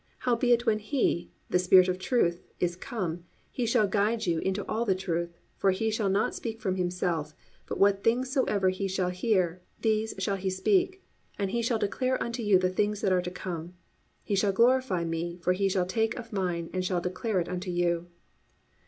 Howbeit when He, the Spirit of Truth, is come, He shall guide you into all the truth: for He shall not speak from Himself; but what things soever He shall hear, these shall He speak: and He shall declare unto you the things that are to come. He shall glorify me; for He shall take of mine, and shall declare it unto you."